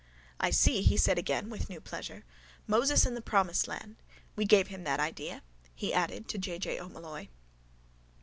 —I see, he said again with new pleasure. Moses and the promised land. We gave him that idea, he added to J. J. O'Molloy.